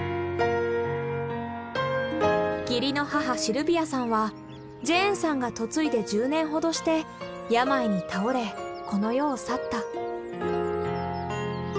義理の母シルビアさんはジェーンさんが嫁いで１０年ほどして病に倒れこの世を去った。